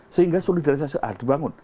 sehingga solidaritas sosial harus dibangun